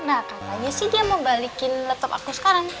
nah katanya sih dia mau balikin laptop aku sekarang